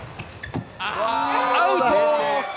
アウト。